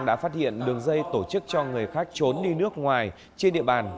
đã phát hiện đường dây tổ chức cho người khác trốn đi nước ngoài trên địa bàn